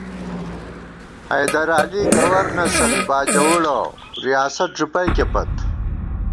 حیدر علی گوَرنسل باجَوُڑہ ، ریاست ݫُپَئیکےپت